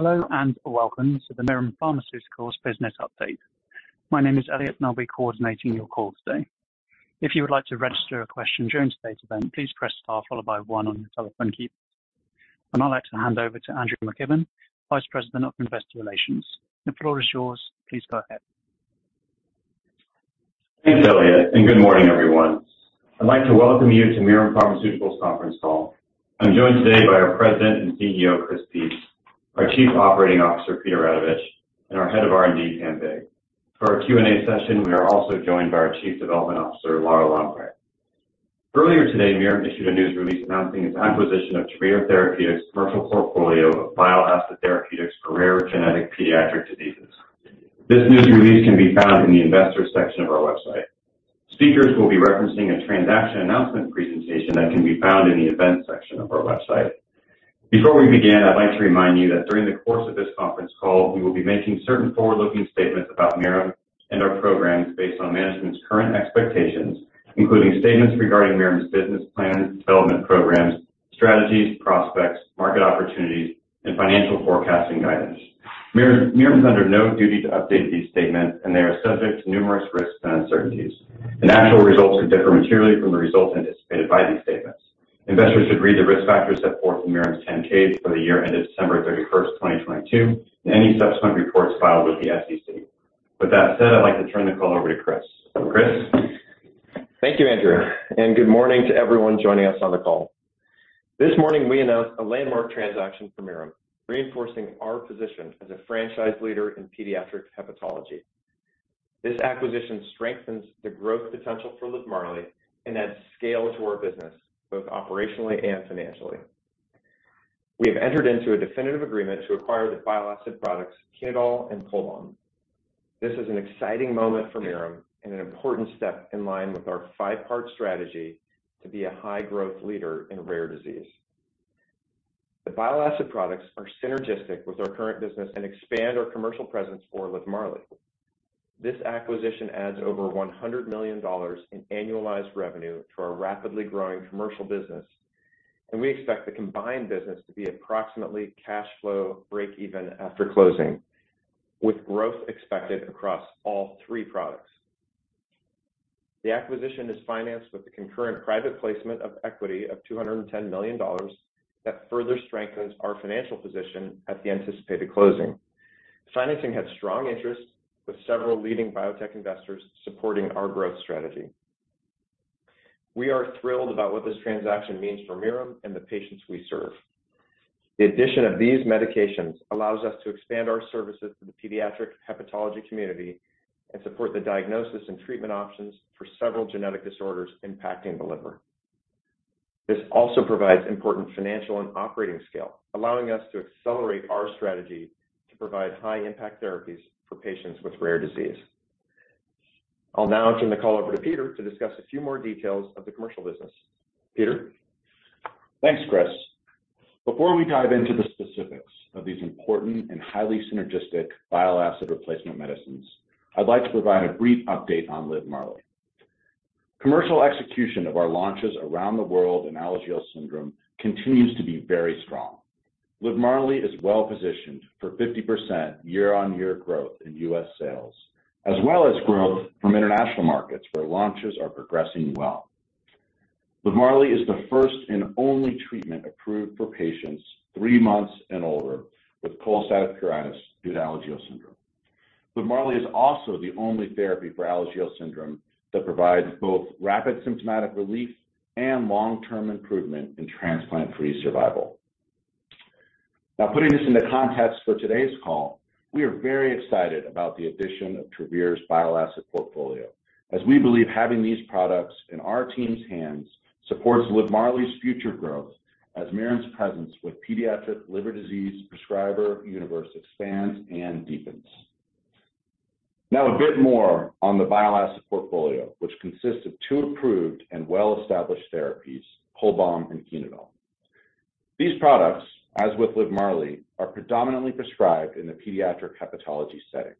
Hello, and welcome to the Mirum Pharmaceuticals Business Update. My name is Elliot, and I'll be coordinating your call today. If you would like to register a question during today's event, please press Star followed by one on your telephone keypad. I'd like to hand over to Andrew McKibben, Vice President of Investor Relations. The floor is yours. Please go ahead. Thanks, Elliot. Good morning, everyone. I'd like to welcome you to Mirum Pharmaceuticals' Conference Call. I'm joined today by our President and CEO, Chris Peetz, our Chief Operating Officer, Peter Radovich, and our Head of R&D, Pamela Vig. For our Q&A session, we are also joined by our Chief Development Officer, Lara Longpre. Earlier today, Mirum issued a news release announcing its acquisition of Travere Therapeutics' commercial portfolio of bile acid therapeutics for rare genetic pediatric diseases. This news release can be found in the investors section of our website. Speakers will be referencing a transaction announcement presentation that can be found in the events section of our website. Before we begin, I'd like to remind you that during the course of this conference call, we will be making certain forward-looking statements about Mirum and our programs based on management's current expectations, including statements regarding Mirum's business plans, development programs, strategies, prospects, market opportunities, and financial forecasting guidance. Mirum is under no duty to update these statements, and they are subject to numerous risks and uncertainties, and actual results may differ materially from the results anticipated by these statements. Investors should read the risk factors set forth in Mirum's 10-K for the year ended December 31, 2022, and any subsequent reports filed with the SEC. With that said, I'd like to turn the call over to Chris. Chris? Thank you, Andrew, and good morning to everyone joining us on the call. This morning we announced a landmark transaction for Mirum, reinforcing our position as a franchise leader in Pediatric Hepatology. This acquisition strengthens the growth potential for LIVMARLI and adds scale to our business, both operationally and financially. We have entered into a definitive agreement to acquire the bile acid products, Chenodal and CHOLBAM. This is an exciting moment for Mirum and an important step in line with our five-part strategy to be a high-growth leader in rare disease. The bile acid products are synergistic with our current business and expand our commercial presence for LIVMARLI. This acquisition adds over $100 million in annualized revenue to our rapidly growing commercial business, and we expect the combined business to be approximately cash flow break even after closing, with growth expected across all three products. The acquisition is financed with the concurrent private placement of equity of $210 million that further strengthens our financial position at the anticipated closing. Financing had strong interest, with several leading biotech investors supporting our growth strategy. We are thrilled about what this transaction means for Mirum and the patients we serve. The addition of these medications allows us to expand our services to the pediatric hepatology community and support the diagnosis and treatment options for several genetic disorders impacting the liver. This also provides important financial and operating scale, allowing us to accelerate our strategy to provide high-impact therapies for patients with rare disease. I'll now turn the call over to Peter to discuss a few more details of the commercial business. Peter? Thanks, Chris. Before we dive into the specifics of these important and highly synergistic bile acid replacement medicines, I'd like to provide a brief update on LIVMARLI. Commercial execution of our launches around the world in Alagille syndrome continues to be very strong. LIVMARLI is well positioned for 50% year-on-year growth in U.S. sales, as well as growth from international markets, where launches are progressing well. LIVMARLI is the first and only treatment approved for patients three months and older with cholestatic pruritus due to Alagille syndrome. LIVMARLI is also the only therapy for Alagille syndrome that provides both rapid symptomatic relief and long-term improvement in transplant-free survival. Putting this into context for today's call, we are very excited about the addition of Travere's bile acid portfolio, as we believe having these products in our team's hands supports LIVMARLI's future growth as Mirum's presence with pediatric liver disease prescriber universe expands and deepens. A bit more on the bile acid portfolio, which consists of two approved and well-established therapies, CHOLBAM and Chenodal. These products, as with LIVMARLI, are predominantly prescribed in the pediatric hepatology setting.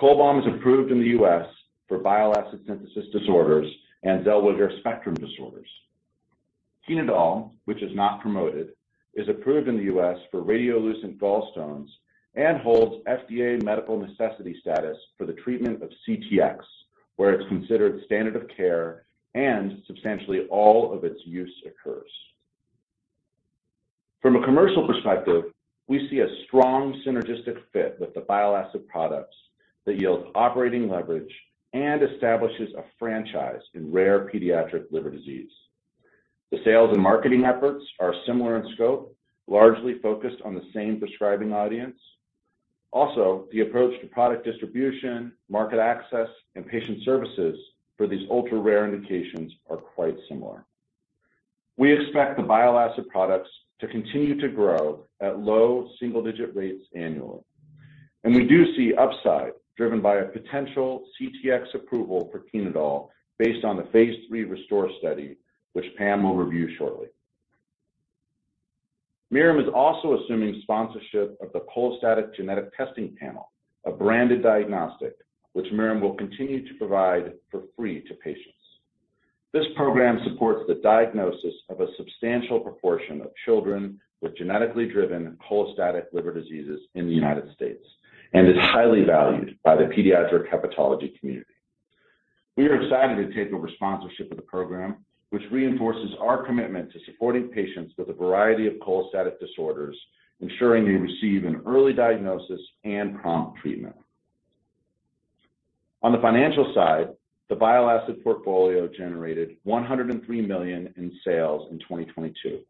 CHOLBAM is approved in the U.S. for bile acid synthesis disorders and Zellweger spectrum disorders. Chenodal, which is not promoted, is approved in the U.S. for radiolucent gallstones and holds FDA medical necessity status for the treatment of CTX, where it's considered standard of care and substantially all of its use occurs. From a commercial perspective, we see a strong synergistic fit with the bile acid products that yields operating leverage and establishes a franchise in rare pediatric liver disease. The sales and marketing efforts are similar in scope, largely focused on the same prescribing audience. Also, the approach to product distribution, market access, and patient services for these ultra-rare indications are quite similar. We expect the bile acid products to continue to grow at low single-digit rates annually, and we do see upside driven by a potential CTX approval for Chenodal based on the phase III RESTORE study, which Pam will review shortly. Mirum is also assuming sponsorship of the Cholestatic Genetic Testing Panel, a branded diagnostic, which Mirum will continue to provide for free to patients. This program supports the diagnosis of a substantial proportion of children with genetically driven cholestatic liver diseases in the United States, and is highly valued by the pediatric hepatology community. We are excited to take over sponsorship of the program, which reinforces our commitment to supporting patients with a variety of cholestatic disorders, ensuring they receive an early diagnosis and prompt treatment. On the financial side, the bile acid portfolio generated $103 million in sales in 2022.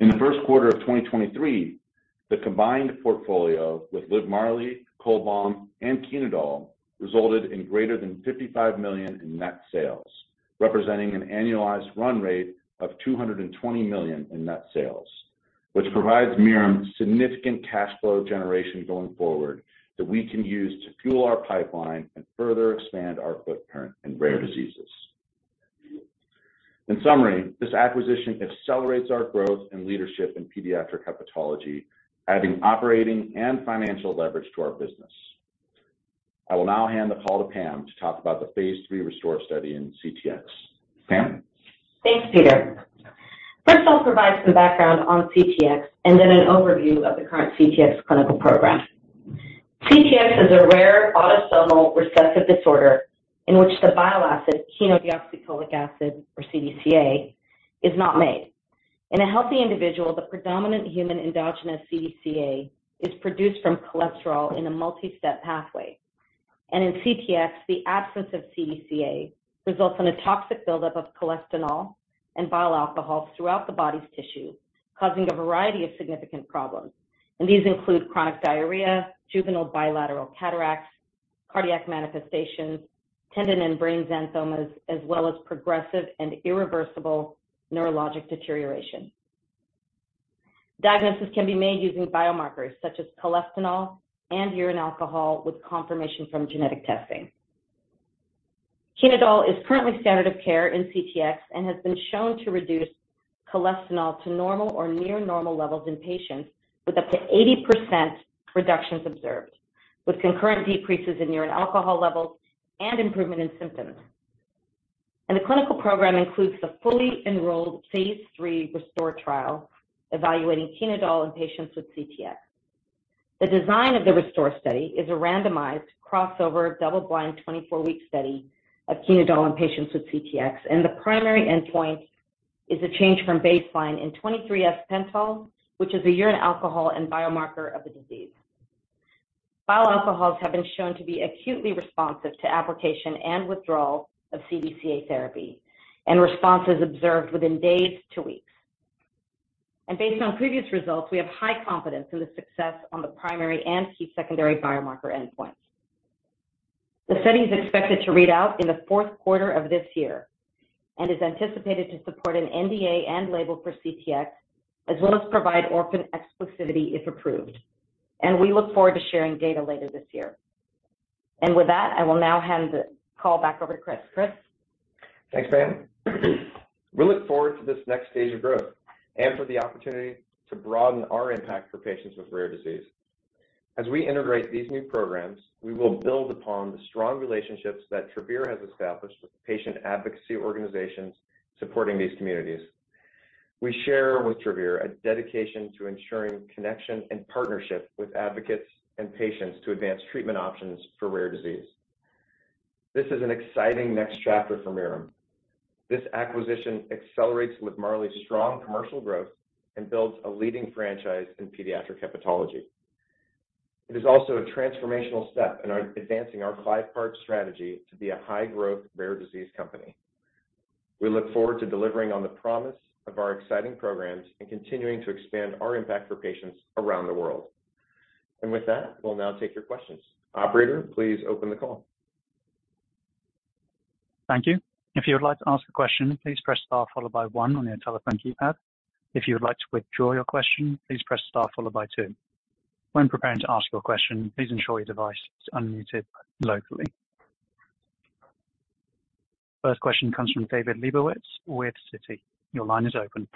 In the first quarter of 2023, the combined portfolio with LIVMARLI, CHOLBAM, and CHENODAL resulted in greater than $55 million in net sales, representing an annualized run rate of $220 million in net sales, which provides Mirum significant cash flow generation going forward, that we can use to fuel our pipeline and further expand our footprint in rare diseases. In summary, this acquisition accelerates our growth and leadership in pediatric hepatology, adding operating and financial leverage to our business. I will now hand the call to Pam to talk about the phase III RESTORE study in CTX. Pam? Thanks, Peter. First, I'll provide some background on CTX and then an overview of the current CTX clinical program. CTX is a rare autosomal recessive disorder in which the bile acid, chenodeoxycholic acid, or CDCA, is not made. In a healthy individual, the predominant human endogenous CDCA is produced from cholesterol in a multi-step pathway. In CTX, the absence of CDCA results in a toxic buildup of cholestanol and bile alcohols throughout the body's tissue, causing a variety of significant problems. These include chronic diarrhea, juvenile bilateral cataracts, cardiac manifestations, tendon and brain xanthomas, as well as progressive and irreversible neurologic deterioration. Diagnosis can be made using biomarkers such as cholestanol and urine alcohol, with confirmation from genetic testing. Chenodal is currently standard of care in CTX and has been shown to reduce cholestanol to normal or near normal levels in patients, with up to 80% reductions observed, with concurrent decreases in urine alcohol levels and improvement in symptoms. The clinical program includes the fully enrolled phase III RESTORE trial, evaluating Chenodal in patients with CTX. The design of the RESTORE study is a randomized, crossover, double-blind, 24-week study of Chenodal in patients with CTX, and the primary endpoint is a change from baseline in 23S-pentol, which is a urine alcohol and biomarker of the disease. Bile alcohols have been shown to be acutely responsive to application and withdrawal of CDCA therapy, and response is observed within days to weeks. Based on previous results, we have high confidence in the success on the primary and key secondary biomarker endpoints. The study is expected to read out in the fourth quarter of this year and is anticipated to support an NDA and label for CTX, as well as provide orphan exclusivity, if approved. We look forward to sharing data later this year. With that, I will now hand the call back over to Chris. Chris? Thanks, Pam. We look forward to this next stage of growth and for the opportunity to broaden our impact for patients with rare disease. As we integrate these new programs, we will build upon the strong relationships that Travere has established with the patient advocacy organizations supporting these communities. We share with Travere a dedication to ensuring connection and partnership with advocates and patients to advance treatment options for rare disease. This is an exciting next chapter for Mirum. This acquisition accelerates LIVMARLI's strong commercial growth and builds a leading franchise in pediatric hepatology. It is also a transformational step in our advancing our five-part strategy to be a high-growth, rare disease company. We look forward to delivering on the promise of our exciting programs and continuing to expand our impact for patients around the world. With that, we'll now take your questions. Operator, please open the call. Thank you. If you would like to ask a question, please press star followed by one on your telephone keypad. If you would like to withdraw your question, please press star followed by two. When preparing to ask your question, please ensure your device is unmuted locally. First question comes from David Lebowitz with Citi. Your line is open.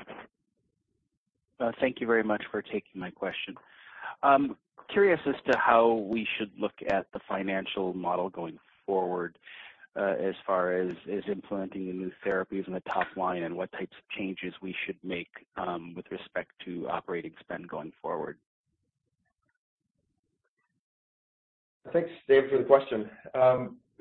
Thank you very much for taking my question. Curious as to how we should look at the financial model going forward, as far as implementing the new therapies in the top line, and what types of changes we should make, with respect to operating spend going forward? Thanks, Dave, for the question.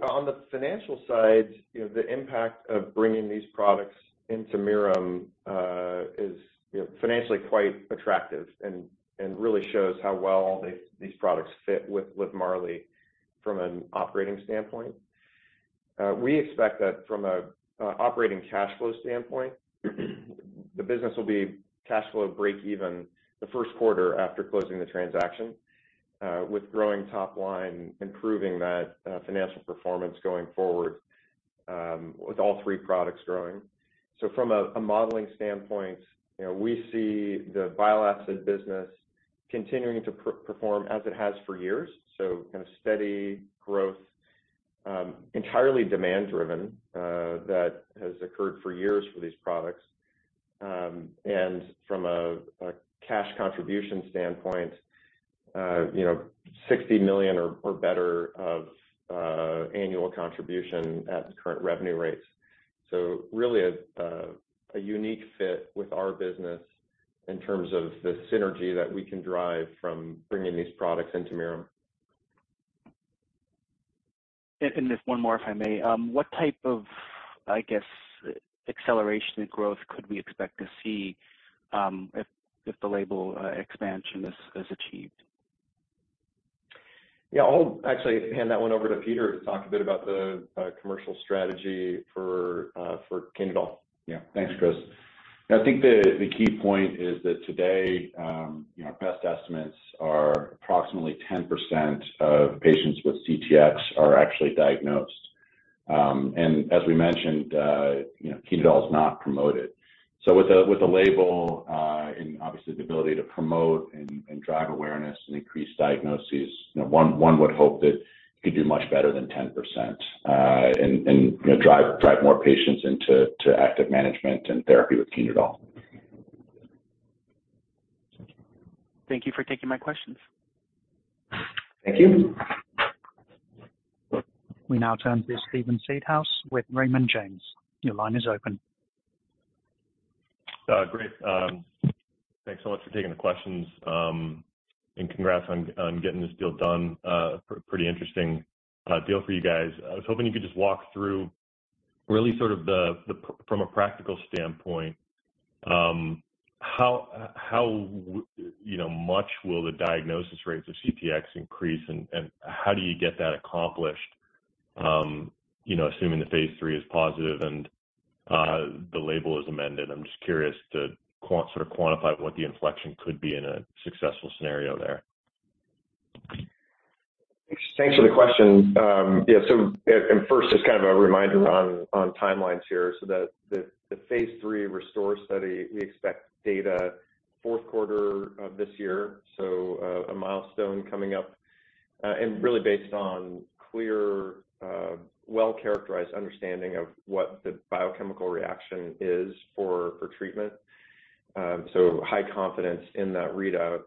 On the financial side, you know, the impact of bringing these products into Mirum, you know, is financially quite attractive and really shows how well these products fit with LIVMARLI from an operating standpoint. We expect that from an operating cash flow standpoint, the business will be cash flow break even the first quarter after closing the transaction, with growing top line, improving that financial performance going forward, with all three products growing. From a modeling standpoint, you know, we see the bile acid business continuing to perform as it has for years. Kind of steady growth, entirely demand driven, that has occurred for years for these products. From a cash contribution standpoint, you know, $60 million or better of annual contribution at the current revenue rates. Really a unique fit with our business in terms of the synergy that we can drive from bringing these products into Mirum. Just one more, if I may. What type of, I guess, acceleration and growth could we expect to see, if the label expansion is achieved? Yeah. I'll actually hand that one over to Peter to talk a bit about the commercial strategy for CHENODAL. Yeah. Thanks, Chris. I think the key point is that today, our best estimates are approximately 10% of patients with CTX are actually diagnosed. As we mentioned, you know, CHENODAL is not promoted. With a label, and obviously the ability to promote and drive awareness and increase diagnoses, you know, one would hope that you could do much better than 10%, and, you know, drive more patients into active management and therapy with CHENODAL. Thank you for taking my questions. Thank you. We now turn to Steven Seedhouse with Raymond James. Your line is open. Great. Thanks so much for taking the questions. Congrats on getting this deal done. Pretty interesting deal for you guys. I was hoping you could just walk through really sort of the from a practical standpoint, how, you know, much will the diagnosis rates of CTX increase, and how do you get that accomplished? You know, assuming the phase three is positive and the label is amended, I'm just curious to sort of quantify what the inflection could be in a successful scenario there. Thanks for the question. First, just kind of a reminder on timelines here. The phase III RESTORE study, we expect data fourth quarter of this year. A milestone coming up, and really based on clear, well-characterized understanding of what the biochemical reaction is for treatment. High confidence in that readout.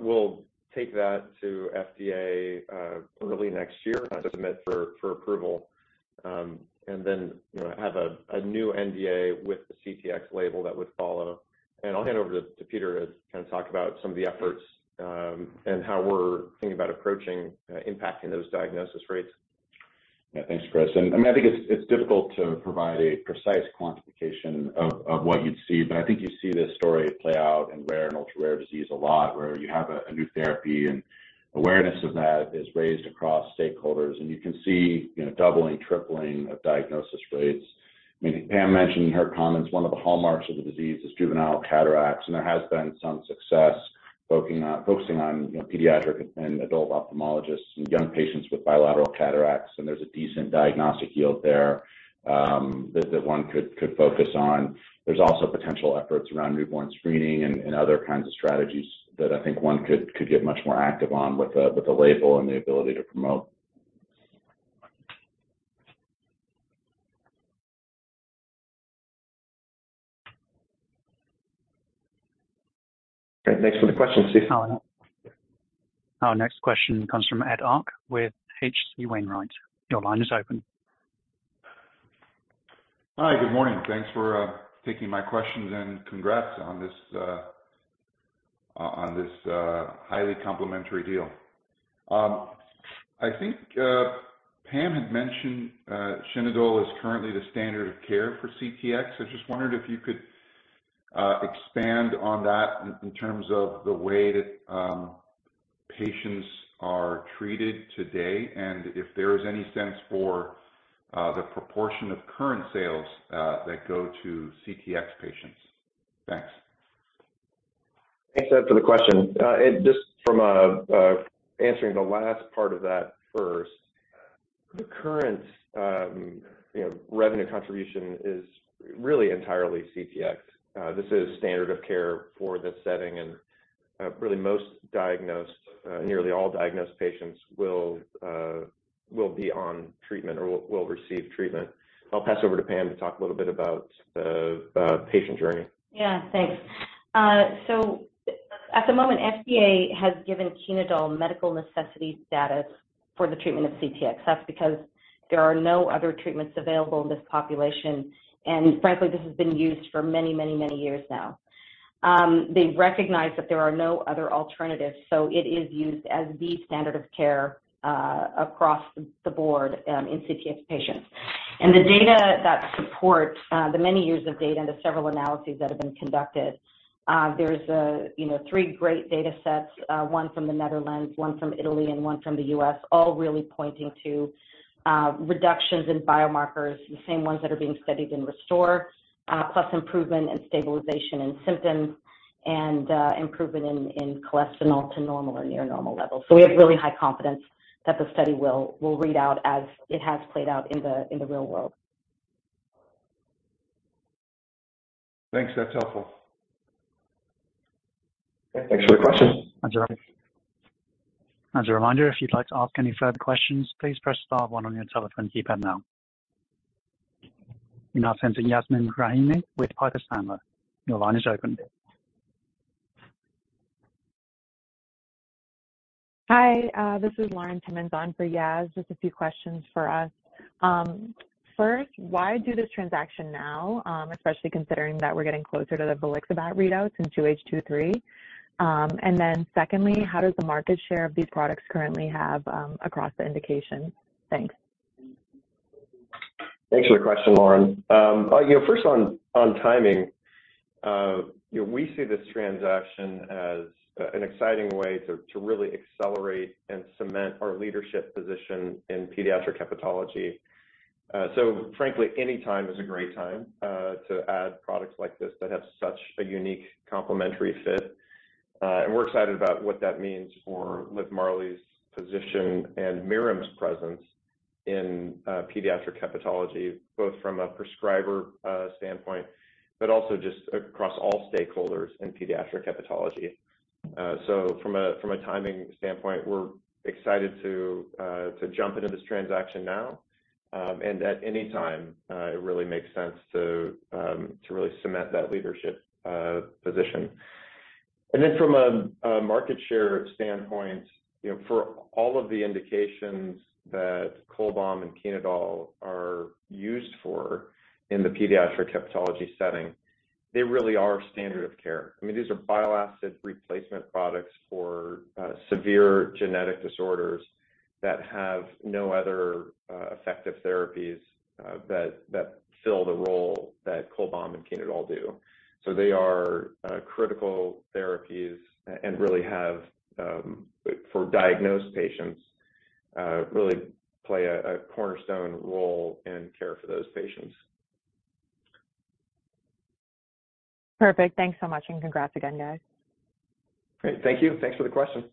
We'll take that to FDA early next year to submit for approval, and then, you know, have a new NDA with the CTX label that would follow. I'll hand over to Peter to kind of talk about some of the efforts, and how we're thinking about approaching impacting those diagnosis rates. Yeah. Thanks, Chris. I mean, I think it's difficult to provide a precise quantification of what you'd see, but I think you see this story play out in rare and ultra-rare disease a lot, where you have a new therapy and awareness of that is raised across stakeholders, and you can see, you know, doubling, tripling of diagnosis rates. I mean, Pam mentioned in her comments, one of the hallmarks of the disease is juvenile cataracts. There has been some success focusing on pediatric and adult ophthalmologists and young patients with bilateral cataracts. There's a decent diagnostic yield there that one could focus on. There's also potential efforts around newborn screening and other kinds of strategies that I think one could get much more active on with the label and the ability to promote. Great. Thanks for the question, Steven. Our next question comes from Ed Arce with H.C. Wainwright. Your line is open. Hi, good morning. Thanks for taking my questions, and congrats on this highly complementary deal. I think, Pam had mentioned, Chenodal is currently the standard of care for CTX. I just wondered if you could expand on that in terms of the way that, patients are treated today, and if there is any sense for the proportion of current sales, that go to CTX patients. Thanks. Thanks, Ed, for the question. Just from answering the last part of that first. The current, you know, revenue contribution is really entirely CTX. This is standard of care for this setting, and really most diagnosed, nearly all diagnosed patients will be on treatment or will receive treatment. I'll pass over to Pam to talk a little bit about the patient journey. Thanks. At the moment, FDA has given CHENODAL medical necessity status for the treatment of CTX. That's because there are no other treatments available in this population, frankly, this has been used for many, many, many years now. They recognize that there are no other alternatives, it is used as the standard of care across the board in CTX patients. The data that supports the many years of data and the several analyses that have been conducted, there's a, you know, three great data sets, one from the Netherlands, one from Italy, and one from the U.S., all really pointing to reductions in biomarkers, the same ones that are being studied in RESTORE, plus improvement and stabilization in symptoms and improvement in cholesterol to normal or near normal levels. We have really high confidence that the study will read out as it has played out in the real world. Thanks. That's helpful. Thanks for the question. As a reminder, if you'd like to ask any further questions, please press star one on your telephone keypad now. We'll now send to Yasmeen Rahimi with Piper Sandler. Your line is open. Hi, this is Lauren Timmons on for Yas. Just a few questions for us. First, why do this transaction now, especially considering that we're getting closer to the volixibat readouts in 2H23? Secondly, how does the market share of these products currently have across the indication? Thanks. Thanks for the question, Lauren. you know, first on timing, you know, we see this transaction as an exciting way to really accelerate and cement our leadership position in pediatric hepatology. Frankly, any time is a great time to add products like this that have such a unique complementary fit. And we're excited about what that means for LIVMARLI's position and Mirum's presence in pediatric hepatology, both from a prescriber standpoint, but also just across all stakeholders in pediatric hepatology. So from a timing standpoint, we're excited to jump into this transaction now. And at any time, it really makes sense to really cement that leadership position. From a market share standpoint, you know, for all of the indications that CHOLBAM and CHENODAL are used for in the pediatric hepatology setting, they really are standard of care. I mean, these are bile acid replacement products for severe genetic disorders that have no other effective therapies that fill the role that CHOLBAM and CHENODAL do. They are critical therapies and really have, for diagnosed patients, really play a cornerstone role in care for those patients. Perfect. Thanks so much, and congrats again, guys. Great. Thank you. Thanks for the question.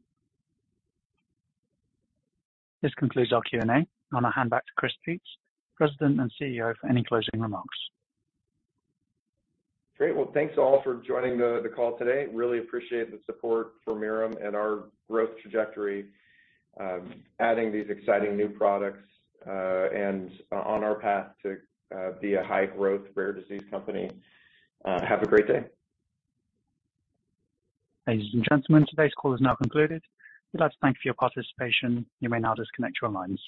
This concludes our Q&A. I'm going to hand back to Chris Peetz, President and CEO, for any closing remarks. Great. Well, thanks, all, for joining the call today. Really appreciate the support for Mirum and our growth trajectory, adding these exciting new products, and on our path to be a high-growth rare disease company. Have a great day. Ladies and gentlemen, today's call is now concluded. We'd like to thank you for your participation. You may now disconnect your lines.